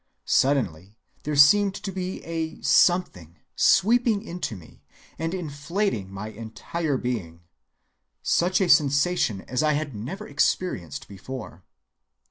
Suddenly there seemed to be a something sweeping into me and inflating my entire being—such a sensation as I had never experienced before.